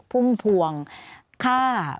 พุ่มพวงฆ่า